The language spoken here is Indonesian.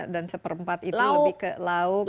dan seperempat itu lebih ke lauk